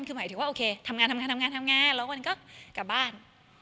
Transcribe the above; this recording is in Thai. คือหมายถึงว่าโอเคทำงานแล้ววันนี้ก็กลับบ้าน